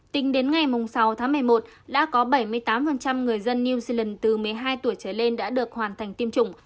tính đến ngày sáu tháng một mươi một đã có bảy mươi tám người dân new zealand từ một mươi hai tuổi trở lên đã được hoàn thành tiêm chủng